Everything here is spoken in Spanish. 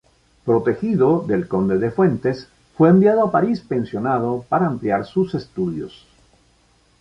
Protegido del conde de Fuentes, fue enviado a París pensionado para ampliar estudios.